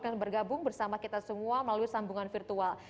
akan bergabung bersama kita semua melalui sambungan virtual